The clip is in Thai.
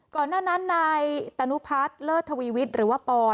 ก่อนหน้านั้นนายตนุพัฒน์เลิศทวีวิทย์หรือว่าปอน